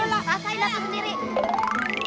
masa ini aku sendiri